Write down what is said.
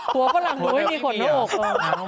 หัวฝรั่งเขาไม่มีขนต้นออก